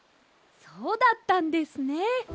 そうだったんですね。